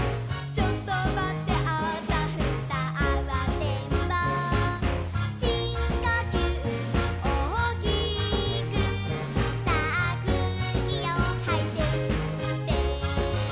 「ちょっとまってあたふたあわてんぼう」「しんこきゅうおおきくさあくうきをはいてすって」